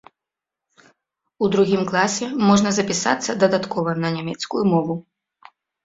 У другім класе можна запісацца дадаткова на нямецкую мову.